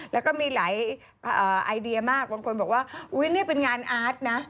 แล้วก็มีหลายไอเดียมากบางคนบอกว่าอุ๊ยนี่เป็นงานอาร์ตนะ